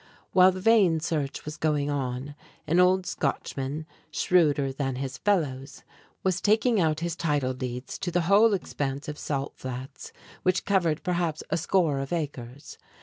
While the vain search was going on, an old Scotchman, shrewder than his fellows, was taking out his title deeds to the whole expanse of salt flats, which covered perhaps a score of acres.